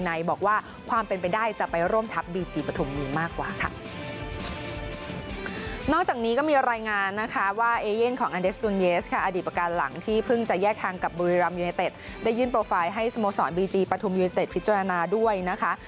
นอกจากนี้ก็มีรายงานนะคะว่าเอเย็นของอันเดสตูเนียสค่ะอดีตประการหลังที่เพิ่งจะแยกทางกับบุรีรัมย์ยูไนเต็ดได้ยื่นโปรไฟล์ให้สโมสรนบีจีปฐุมยูไนเต็ดพิจารณาด้วยนะคะ